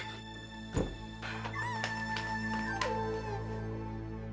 selamat siang bu